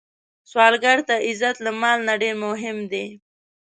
سوالګر ته عزت له مال نه ډېر مهم دی